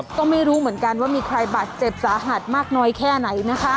ก็ไม่รู้เหมือนกันว่ามีใครบาดเจ็บสาหัสมากน้อยแค่ไหนนะคะ